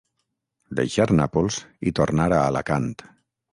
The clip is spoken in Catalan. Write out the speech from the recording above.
Deixar Nàpols i tornar a Alacant.